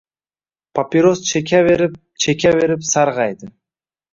Papiros chekaverib-chekaverib sarg‘aydi.